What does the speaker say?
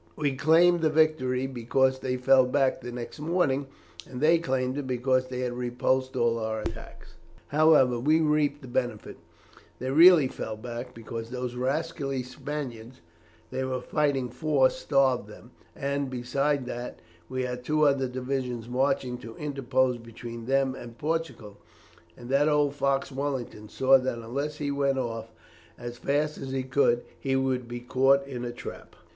We claimed the victory, because they fell back the next morning, and they claimed it because they had repulsed all our attacks. However, we reaped the benefit; they really fell back, because those rascally Spaniards they were fighting for, starved them; and, besides that, we had two other divisions marching to interpose between them and Portugal, and that old fox Wellington saw that unless he went off as fast as he could, he would be caught in a trap.